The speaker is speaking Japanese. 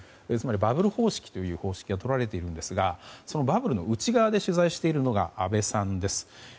つまりバブル方式という方式がとられているんですがそのバブルの内側で取材しているのが阿部さんです。